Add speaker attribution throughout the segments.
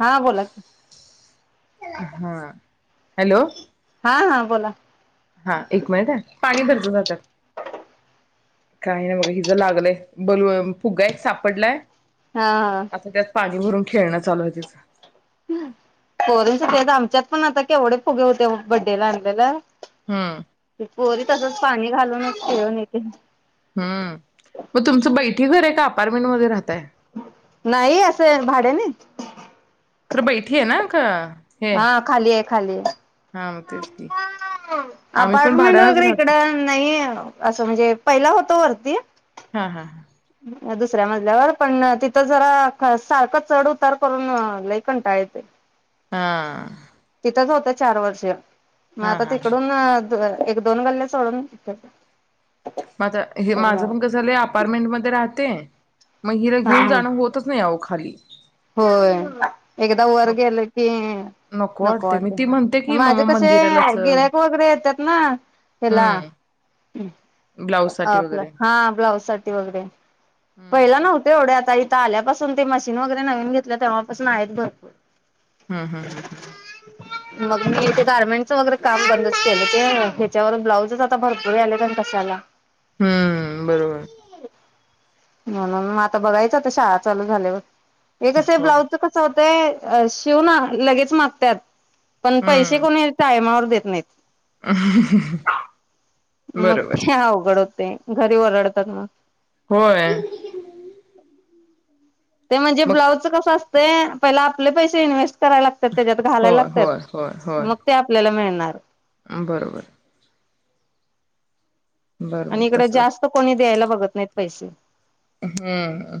Speaker 1: हा बोला
Speaker 2: हा हॅलो
Speaker 1: हा हा बोला
Speaker 2: हा एक मिनिट हा पाणी भर जा त्यात काय नाय बघा हिज लागलंय बलू फुगा एक सापडलाय-
Speaker 1: हा हा
Speaker 2: आता त्यात पाणी भरून खेळणं चालू आहे तिचं
Speaker 1: पोरांच तेच आमच्यात पण आता केवढे फुगे होते बड्डेला आणलेला
Speaker 2: हम्म
Speaker 1: पोरी तसच पाणी घालूनचखेळून येतील
Speaker 2: हम्म मग [unintelligible] आहे का अपार्टमेंटध्ये राहताय.
Speaker 1: नाही असं भाड्यानी
Speaker 2: खरं बैठी आहे ना का हे
Speaker 1: हा खाली आहे. खाली ये
Speaker 2: हा मग तेच की आम्ही पण
Speaker 1: अपार्टमेंट
Speaker 2: भाड्यानच
Speaker 1: वगैरे इकड
Speaker 2: राहतो
Speaker 1: नाहीेये ओ असं म्हणजे पहिला होतो वरती
Speaker 2: हा हा हा
Speaker 1: दुसऱ्या मजल्यावर पण तिथं जरा सारखं चढ उतार करून लय कंटाळा येतोय.
Speaker 2: हा
Speaker 1: तच होत चार वर्ष मग
Speaker 2: हा हा
Speaker 1: आता
Speaker 2: हा
Speaker 1: तिकडून अअ द एक दोन गल्ल्या सोडून इतच
Speaker 2: म आता हे माझं पण कस झालंये अपार्टमेंटमध्ये राह ते मग हिला
Speaker 1: हा
Speaker 2: घेऊन
Speaker 1: हा
Speaker 2: जाणं होतच नाही अहो खाली
Speaker 1: होय एकदा वर
Speaker 2: मग
Speaker 1: गेलं की नको
Speaker 2: वाटते मी
Speaker 1: वाटतये
Speaker 2: ती म्हणते की
Speaker 1: माझ
Speaker 2: मम्मा
Speaker 1: कसय
Speaker 2: मंदिराला चल
Speaker 1: गिरायक वगैरे येतात ना हेला
Speaker 2: हम्म ब्लाऊज साठी
Speaker 1: आपलं
Speaker 2: वगैरे
Speaker 1: हा ब्लाउज साठी वगैरे पहिला
Speaker 2: हम्म
Speaker 1: नव्हत एवढे आता त आल्यापासून ते मशीन वगैरे नवीन घेतल्या तेव्हापासून आहेत भरपूर
Speaker 2: हूं हूं हूं हूं हूं
Speaker 1: मग मी ते गार्मेंटचं वगैरे काम बंदच केलं ते ह्याच्यावर ब्लाउजच आता भरपूर यायलेत आणि कशाला
Speaker 2: हूं बरोबर
Speaker 1: म्हणून मग आता बघायचं आता शाळा चालू झाल्यावर हे कसय
Speaker 2: हो
Speaker 1: ब्लाउज च कस होत ते शिव ना लगेच मागत्यात. पण पैसे
Speaker 2: हम्म
Speaker 1: कोण टायमावर... देत नाहीत
Speaker 2: [inaudible]
Speaker 1: मग
Speaker 2: बरोबर
Speaker 1: ते अवघड होत ते घरी ओरडतात मग.
Speaker 2: होय
Speaker 1: ते म्हणजे
Speaker 2: मग
Speaker 1: ब्लाउजचं कसं अस ते पहिले आपले पैसे इन्व्हेस्ट कराय लागतात त्याच्यात घालायला
Speaker 2: होय
Speaker 1: लागतात
Speaker 2: होय होय होय
Speaker 1: मग ते आपल्याला मिळणार... [inaudible]
Speaker 2: बरोबर बरोबर
Speaker 1: आणि इकडे
Speaker 2: तसच
Speaker 1: जास्त कोणी द्यायला बघत नाहीत. पैसे
Speaker 2: हम्म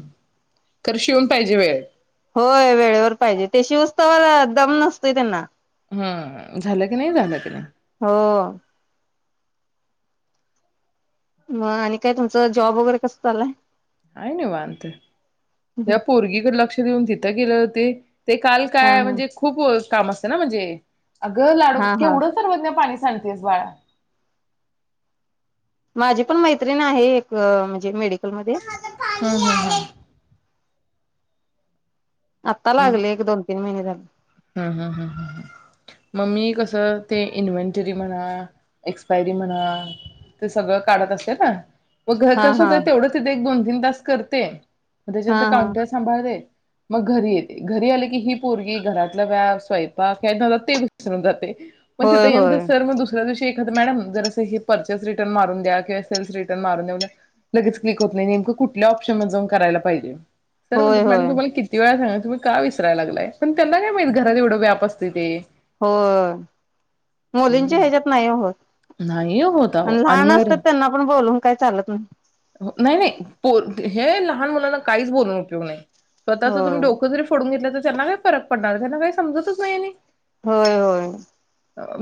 Speaker 2: खर शिऊन पाहिजे वेळेत...
Speaker 1: होय वेळेवर पाहिजे ते शिव स्थवर दम नसतोय त्यांना.
Speaker 2: हम्म झालं की नाही झालं की नाही.....
Speaker 1: हो मग आणि काय तुमचं जॉब वगैरे कसं चालाय?
Speaker 2: आहे निवांत या पोरगीकडे लक्ष देऊन तिथं गेलं ते ते काल
Speaker 1: हा
Speaker 2: काय
Speaker 1: हा
Speaker 2: म्हणजे खूप काम असत ना म्हणजे अगं लाडू
Speaker 1: हा हा
Speaker 2: केवढं सर्वज्ञा पाणी सांडतेस बाळा.
Speaker 1: माझी पण मैत्रिण आहे एक म्हणजे मेडी
Speaker 2: हम्म हम्म हम्म
Speaker 1: आता लागले एक दोन... तीन महिने झाल.
Speaker 2: हम् हम् ह् ह मग की कसं ते इन्व्हेंटरी म्हणा, एक्सपायरी म्हणा ते सगळं काढत असते ना. मग घर
Speaker 1: हा हा
Speaker 2: कसंच आहे तेवढंच ते एक दोन बिंदास करते. मग
Speaker 1: हा
Speaker 2: त्याच्यानंतर
Speaker 1: हा
Speaker 2: काउंटर सांभाळ ते मग घरी येते. घरी आले की ही पोरगी घरात मग काय स्वयंपाक ह्याच नादात ते विसरून जातय. मग तिथ
Speaker 1: होय
Speaker 2: यंदर
Speaker 1: होय
Speaker 2: सर मग दुसऱ्या दिवशी मॅडम जरासं हे पर्चेस रिटर्न मारून द्या किंवा सेल्स रिटर्न मारून द्या लगेच क्लिक होत नाही. नेमकं कुठल्या ऑपशन जाऊन करायला पाहिजे? सर म्हणतात
Speaker 1: होय
Speaker 2: मॅडम
Speaker 1: होय
Speaker 2: तुम्हाला कितीवेळा सांगा तुम्ही का विसरायला लागलाय पण त्यांना नाही माहित घरात एवढं व्याप असतय ते.
Speaker 1: होय मुलींच्या
Speaker 2: हम्म
Speaker 1: हेच्यात नाही होत
Speaker 2: नाही होत अहो
Speaker 1: आणि लहान
Speaker 2: मग
Speaker 1: असतात त्यांना पण बोलून काय चालत
Speaker 2: नाही नाही पो हे लहान मुलांना काहीच बोलून उपयोग नाही. स्वतचं
Speaker 1: होय
Speaker 2: तुम्ही डोक जरी फोडून घेतलं तर त्याना काय फरक पडणार त्यांना काही समजतच नाही आणि
Speaker 1: होय होय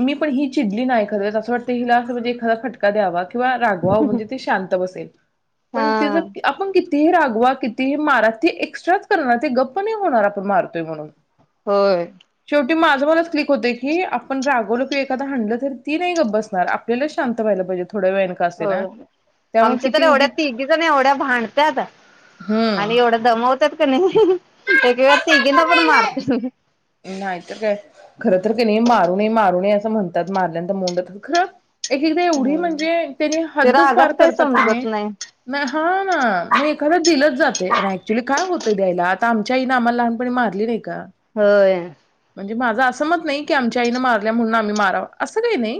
Speaker 2: मी पण ही चिडली ना एखाद्या वेळेस असं वाटतं हिला असं म्हणजे एखादा फटका द्यावा. किंवा रागवाव म्हणजे ते शांत बसेल पण तेज
Speaker 1: हा
Speaker 2: आपण कि तीही रागवा कितीही मारा ती एक्स्ट्राच करणार ती गप्प नाही होणार आपण मारतोय म्हणून
Speaker 1: होय
Speaker 2: शेवटी माझं मलाच क्लिक होतय की आपण रागवलो कि एखादा हाणलं तर ती नाही गप्प बसणार आपल्यालाच शांत व्हायला पाहिजे. थोड्या वेळाने का
Speaker 1: होय
Speaker 2: असेना
Speaker 1: होय
Speaker 2: त्यामुळे
Speaker 1: आमच्या तर
Speaker 2: किती
Speaker 1: एवढ्या
Speaker 2: उगीच
Speaker 1: तिघी जणी एवढ्या भांडत्यात आणि
Speaker 2: हम्म
Speaker 1: एवढ्या दमवत्यात कि नाही. एक एक वेळा तिघींना पण मारतोय म
Speaker 2: नाहीतर काय त म्हणतात मारल्यानंतर मोंड होतात खर एक एकदा एवढी
Speaker 1: होय
Speaker 2: म्हणजे त्यानी
Speaker 1: ते
Speaker 2: हद्दच पार
Speaker 1: रागात काही
Speaker 2: करतात की
Speaker 1: समजत
Speaker 2: नाही हा ना मग एखादं दिलंच जात. ते अन ऍक्च्युली काय होतंय द्यायला, आता आमच्या आईने आम्हाला लहानपणी मारली नाही का?
Speaker 1: होय
Speaker 2: म्हणजे माझं असं मत नाही की आमच्या आईन मारल्या म्हणून आम्ही माराव असं काही नाही.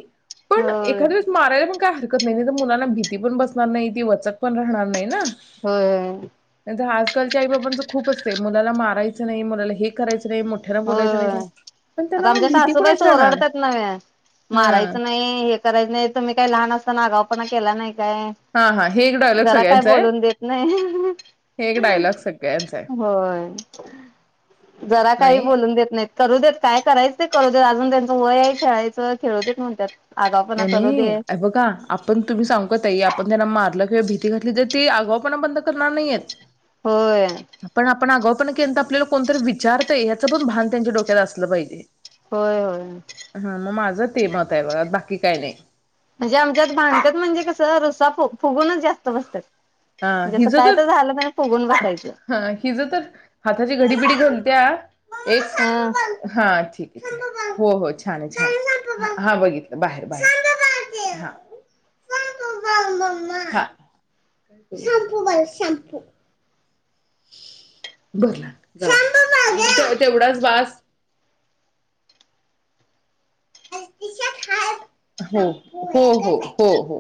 Speaker 2: पण
Speaker 1: होय
Speaker 2: एखाद्या वेळेस मारायला पण काय हर नाही मुलांना भीती पण बसणार नाही ती वचक पन राहणार नाही ना
Speaker 1: होय
Speaker 2: त्या जहाज कालच्या आई बाबांचं खूपच ते मुलाला मारायचं नाही मुलाला हे करायचं नाही मोठ्यान बोलायच
Speaker 1: होय आता आमच्या सासूबाईच
Speaker 2: राहणार
Speaker 1: ओरडत्यात नव्हे
Speaker 2: हा
Speaker 1: मारायचं नाही, हे करायचं नाही, तुम्ही काय लहान असताना आगाव वपणा केला नाही. काय
Speaker 2: हा हा हे एक डायलॉग
Speaker 1: जरा काय
Speaker 2: सगळ्यांचा आहे
Speaker 1: बोलून देत नाही
Speaker 2: हे एक डायलॉग सगळ्यांचा आहे
Speaker 1: होय जरा काही
Speaker 2: नाही
Speaker 1: बोलून देत नाहीत करू देत काय करायच ते करूदेत अजून त्यांच वय आहे खेळायचं खेळूदेत म्हणत्यात.
Speaker 2: नाही नाही हे बघा आपण तुम्ही सांगू का ताई आपण त्यांना मारलं भीती घातली तर ते आगावपणा बंद करणार
Speaker 1: होय
Speaker 2: नाहीयेत पन आपण आगाव पण केन तर आपल्याला कोणतरी विचारतय याचं पण भान त्यांच्या डोक्यात असलं पाहिजे.
Speaker 1: होय होय
Speaker 2: हा मग माझं ते मत आहे ब बाकी काय नाही.
Speaker 1: म्हणजे आमच्यात बाधत्याात म्हणजे कसं रस्सा फुगूनच जास्त बसतात
Speaker 2: हा
Speaker 1: म्हणजे असं
Speaker 2: हिज
Speaker 1: काय
Speaker 2: तर
Speaker 1: झालं नाही फुगून बसायचं
Speaker 2: ह हिज तर हातात ती घडीबिडी घालत्या
Speaker 1: ह
Speaker 2: एक हा हो हो छान छान ये हो बघितलं बाहेर बाहेर [unintelligible] शाम्पू भर शाम्पू [unintelligible] बास तेवढाच बास हो हो हो हो हो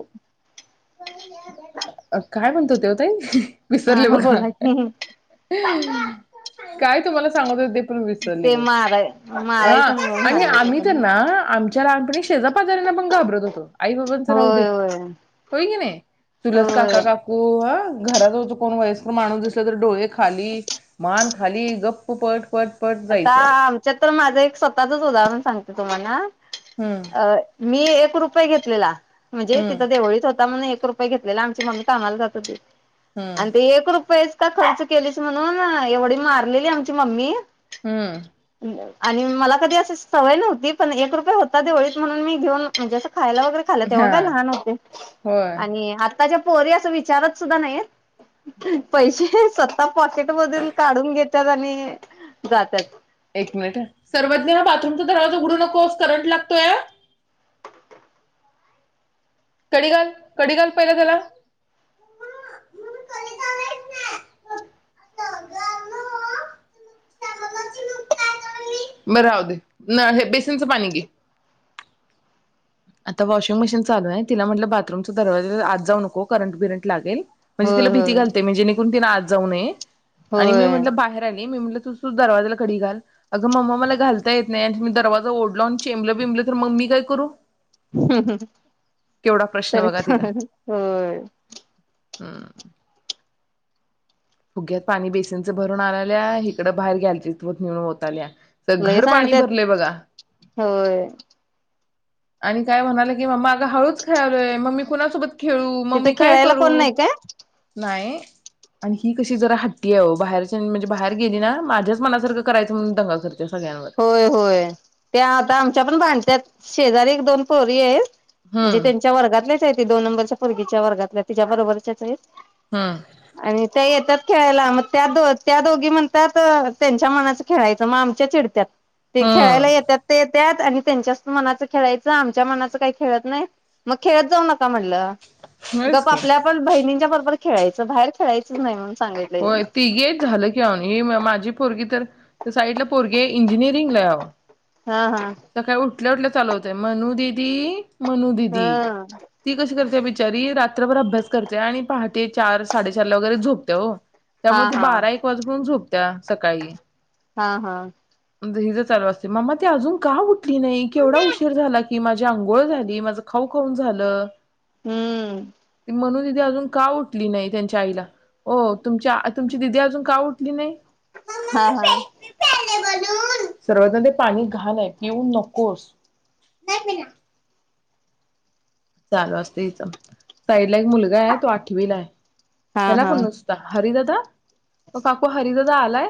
Speaker 2: काय म्हणतो तो ताई विसरले
Speaker 1: हा
Speaker 2: बघा
Speaker 1: बोला की
Speaker 2: काय तुम्हाला सांगत
Speaker 1: ते
Speaker 2: होते
Speaker 1: माराय
Speaker 2: [unintelligible]
Speaker 1: मारायचं नाही म्हणून
Speaker 2: हा
Speaker 1: सांगायचं
Speaker 2: आम्ही
Speaker 1: होतं
Speaker 2: तर ना आमच्या [unintelligible] शेजापाजऱ्यांना पण घाबरत होतो आई बाबांच राहू दे
Speaker 1: होय होय
Speaker 2: हो के नाही चुलत काका
Speaker 1: होय
Speaker 2: - काकू होय घराचा कोण वयस्कर माणूस दिसला तर डोळे खाली मान खाली गप्प पट पट
Speaker 1: आता
Speaker 2: जायचं
Speaker 1: आमच्यात तर माझं एक स्वतःच उदाहरण सांगते तुम्हाला
Speaker 2: हम्म
Speaker 1: अ मी एक रुपये घेतलेला म्हणजे
Speaker 2: हम्म
Speaker 1: तिथं देवळीत होता एक रुपये घेतलेला आमची मम्मी कामाला जात होती
Speaker 2: हम्म
Speaker 1: आणि ते एक रुपया का खर्च केलेच म्हणून एवढी मारलेली आमची मम्मी
Speaker 2: हम्म
Speaker 1: आणि मला कधी अशी सवय नव्हती पण एक रुपये होता देवळीत म्हणून मी घेऊन म्हणजे खायला वगैरे खालं तेव्हा
Speaker 2: हा
Speaker 1: काय लहान होते
Speaker 2: होय
Speaker 1: आणि आ आताच्या पोरी अस विचारत सुद्धा नाही पैसेता पॉकेट मधून काढून घेत त्या आणि जातात
Speaker 2: एक मिनिट सर्वज्ञा हा बाथरूमचा दरवाजा उघडू नकोस करंट लागतो या कडी घाल कडी घाल पहिला त्याला, बरं राहु दे न हे बेसनचं पाणी घे आता वॉशिंग मशीन चालू आहे तिला म्हटलं ब बाथरूमचा दरवाजा आज जाऊ नको करंट बिरंट लागेल म्हणजे तला भीती
Speaker 1: होय
Speaker 2: घालते म्हणजे जेणेकरून तीन जाऊ नये. आणि मी
Speaker 1: होय
Speaker 2: म्हटलं बाहेर आली मी म्हटलं तुझ तु दरवाजाला कडी घाल अग मम्मा मला घालता येत नाही आणि मी ते दरवाजा ओढलो आणि चेंबल बिंबलं तर मग मी काय करू?
Speaker 1: हं हं
Speaker 2: केवढा प्रश्न बघा तिला
Speaker 1: तरीचं होय.
Speaker 2: हम्म. फुग्यात पाणी बेसिनच भरून आणाल्या इकडं बाहेर गॅलरीत नेहून वताल्या. तर
Speaker 1: लय
Speaker 2: घर पाणी
Speaker 1: सांडत्यात
Speaker 2: भरलय बघा.
Speaker 1: होय.
Speaker 2: आणि काय म्हणाल की मम्मा अग हळूच खेळलोय मग मी कुणासोबत खेळू मग
Speaker 1: तिथं
Speaker 2: मी काय
Speaker 1: खेळायला कोण
Speaker 2: करू
Speaker 1: नाही काय?
Speaker 2: नाही? आणि ही कशी जरा हट्टी आहे ओ बाहेरच्या म्हणजे बाहेर गेली ना माझ्याच मनासारखं करायचं म्हणून दंगा करतीया
Speaker 1: होय होय ते आता आमच्या पण भांडत्यात. शेजारी एक दोन पोरी आहेत. म्हणजे
Speaker 2: हम्म
Speaker 1: त्यांच्या वर्गात ते ती दोन नंबरच्या पोरीगाच्या वर्गातल्या तिच्या बरोबरच्याच आहेत.
Speaker 2: हम्म
Speaker 1: आणि त्या येत्यात खेळायला मग त्या त्या दोघी म्हणतात त्यांच्या मनाच खेळायचं मग आमच्या चिड त्यात ते
Speaker 2: हम्म
Speaker 1: खेळायला येत्यात ते त्यात आणि त्यांच्याच मनाचं खेळायचं आमच्या मनाचं काही खेळत नाही मग खेळत जाऊ नका म्हणलं.
Speaker 2: होयच
Speaker 1: गप्प
Speaker 2: की
Speaker 1: आपल्या आपण बहिणीच्या बरोबर खेळायचं बाहेर खेळायचंच नाही म्हणून सांगितलंय
Speaker 2: होय
Speaker 1: त्यांना.
Speaker 2: तिघी हाईत झालं की आओ आणि माझी पोरगी तर साईडला पोरगे इंजिनिअरिंगला हाय आओ.
Speaker 1: हा हा.
Speaker 2: उठल्या उठल्या चालू होतय मनू दीदी मनु दीदी.
Speaker 1: हा
Speaker 2: ती कशी करत्या बिचारी रात्रभर अभ्यास करते आणि पहाटे चार साडेचार ला वगैरे झोपतिया ओ. त्यामुळे
Speaker 1: हा
Speaker 2: ती
Speaker 1: हा.
Speaker 2: बारा एक वाजू पर्यंत झोप त्या सकाळी
Speaker 1: हा हा.
Speaker 2: नाहीतर हि ज चालू असते. म्मा त अजून का उठली नाही केवढा उशीर झाला की माझी आंघोळ झाली, माझ खाऊ खाऊन झालं.
Speaker 1: हम्म
Speaker 2: ते मनु दीदी ती अजून का उठली नाही त्यांच्या आईला? ओ तुमच्या अ तुमची दिदी अजून का उठली नाही?
Speaker 1: हा हा
Speaker 2: सर्वज्ञा ते पाणी घाण आहे पिऊ नकोस चालू अस साईडला एक मुलगा आहे तो आठवीला आहे
Speaker 1: हा
Speaker 2: त्याला
Speaker 1: हा
Speaker 2: पण नुसता हरिदा म काकू हरिदादा आलाय?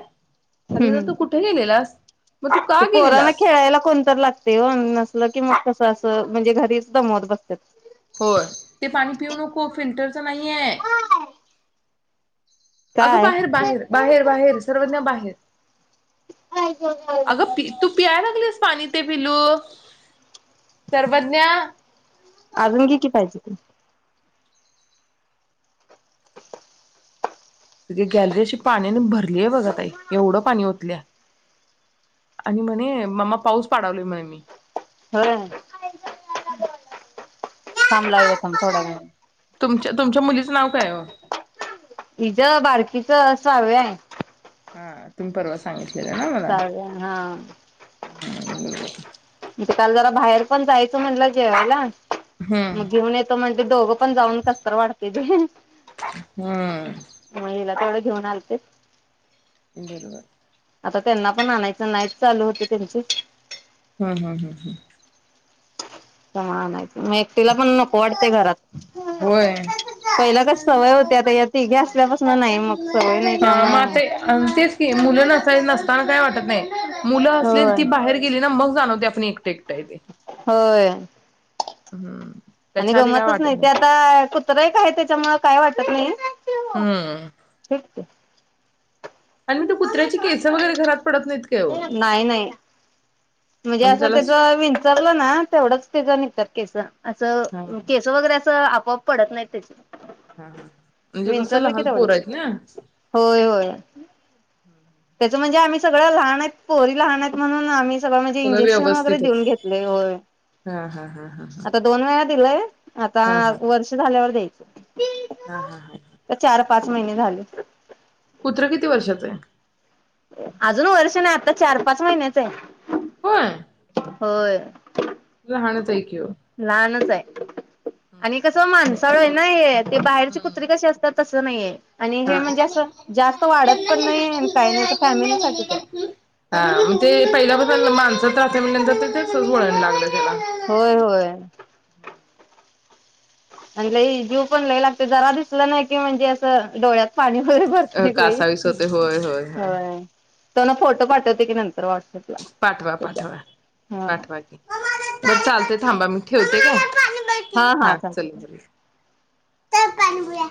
Speaker 2: हरिदादा
Speaker 1: हम्
Speaker 2: तू कुठे गेलेलास मग तू
Speaker 1: ते
Speaker 2: का
Speaker 1: पोराना
Speaker 2: गेलेलास
Speaker 1: खेळायला कोणतरी लागतय ओ नसल कि मग कस असतय ह म्हणजे घरीच समोर बसत्यात
Speaker 2: हो ते पाणी पिऊ नको फिल्टरच नाही आहे अगं
Speaker 1: काय
Speaker 2: बाहेर बाहेर बाहेर बाहेर सर्वज्ञा बाहेर अगं तू पियाय लागलीस पाणी ते पिलू सर्वज्ञा
Speaker 1: अजून घी की पाहिजे तर
Speaker 2: सगळी गॅलरी अशी पाण्याने भरलीय बघा ताई एवढं पाणी ओतल्या आणि म्हणे ममा पाऊस पाडा लोय म्हण
Speaker 1: होय थांब लावुया थांब थोड्यावेळाने
Speaker 2: तुमचं नाव काय ओ?
Speaker 1: हिज बारकीच सहाव्या ये
Speaker 2: हा तुम्हि परवा सांगितले
Speaker 1: साव्या हा
Speaker 2: ह [unintelligible]
Speaker 1: म्हणजे काल जरा बाहेर पण जायचं म्हणलं जेवायला मग
Speaker 2: हम्म
Speaker 1: घेऊन येतो म्हणले दोघं पण
Speaker 2: हम्म
Speaker 1: घेऊन आलते
Speaker 2: बरोबर.
Speaker 1: आता त्यांना पण आणायचं नाहीच चालू होत त्यांच
Speaker 2: हम हम् हम् हम्
Speaker 1: तवा आणायचं म एकटीला पण नको वाटते घरात
Speaker 2: होय
Speaker 1: पहिला कस सवय होते आता या तिघी असल्यापासून नाही मग सवय नाही
Speaker 2: हा मग
Speaker 1: त्यामूळ
Speaker 2: आता तेच की मुलं नसाय नसताना काय वाटत नाही मुलं असलेत
Speaker 1: होय
Speaker 2: की बाहेर गेली ना मग जाण होते आप एक [unintelligible]
Speaker 1: होय
Speaker 2: हम्म
Speaker 1: आणि
Speaker 2: त्याच्या आधी काय
Speaker 1: गमतच
Speaker 2: वाटत
Speaker 1: नाही ते आता कुत्र एक हाय त्याच्यामुळ काय वाटत नाही
Speaker 2: हम्म आणि मी त्या कुत्र्याची केस वगैरे घरात पडत नाहीत काय ओ
Speaker 1: नाही नाही म्हणजे असं
Speaker 2: त्याला
Speaker 1: तेच
Speaker 2: स-
Speaker 1: विंचरल ना तेवढंच तेच निघत्यात केस
Speaker 2: हा
Speaker 1: असं
Speaker 2: हा
Speaker 1: केस वगैरे असं मग पडत नाही त्याची
Speaker 2: हा हा म्हणजे कस
Speaker 1: विंचरलं की
Speaker 2: लहान पोर
Speaker 1: तेवढीच
Speaker 2: आहेत ना
Speaker 1: होय होय. त्याचं म्हणजे आम्ही सगळे लहान आहेत पोरी लहान आहेत म्हणून आम्ही तवा म्हणजे
Speaker 2: सगळं
Speaker 1: इंजेक्शन वगैरे
Speaker 2: व्यवस्थित
Speaker 1: देऊन
Speaker 2: आहे.
Speaker 1: घेतलंय. होय
Speaker 2: हा हा हा हा
Speaker 1: आता दोन वेळा दिलंय. आता
Speaker 2: हा हा
Speaker 1: वर्ष झाल्यावर देई स [inaudible]
Speaker 2: हा हा हा
Speaker 1: पाच महिने झाले
Speaker 2: कुत्र किती वर्षाच आहे.
Speaker 1: अजून वर्ष नाही आता चार पाच महिन्याच आहे.
Speaker 2: होय
Speaker 1: होय
Speaker 2: लहानच हाय की ओ
Speaker 1: लहानच आहे आणि कसं माणसाळू आहे ना हे ते बाहेरचे
Speaker 2: हम्म
Speaker 1: कुत्रे कसे असतात तसं नाहीये आणि
Speaker 2: हा
Speaker 1: हे म्हणजे असं जास्त वाढत पण नाही काय नाही असं. फॅमिली साठीच आहे.
Speaker 2: हा तेे पहिल्या पासून माणसात रहातोय म्हणल्यावर तेच वळण लागलं. त्याला
Speaker 1: होय होय आणि लई जीव पण लय लागते जरा दिसलं नाही की म्हणजे असं डोळ्यात पाणी वगैरे भरते लई.
Speaker 2: कासावीस होतय होय होय होय
Speaker 1: तन फोटो पाठवते की नंतर व्हॉट्सअपला.
Speaker 2: पाठवा
Speaker 1: त्याचा.
Speaker 2: पाठवा
Speaker 1: हा
Speaker 2: पाठवा की बर चालते थांबा मी ठेवते काय. हा चालेल, चालेल. चल पाणी पिऊया.